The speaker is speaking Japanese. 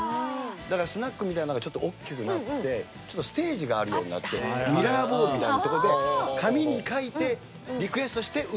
だからスナックみたいなのがちょっと大きくなってステージがあるようになってミラーボールみたいなとこで紙に書いてリクエストして歌えるっていう。